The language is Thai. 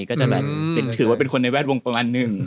ก็จะแบบเป็นคนในแวดวงประมาณนึง